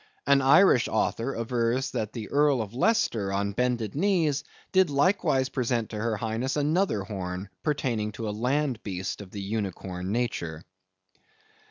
An Irish author avers that the Earl of Leicester, on bended knees, did likewise present to her highness another horn, pertaining to a land beast of the unicorn nature.